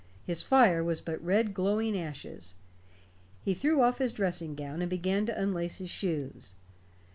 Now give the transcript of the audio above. His fire was but red glowing ashes. He threw off his dressing gown, and began to unlace his shoes.